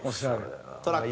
トラック。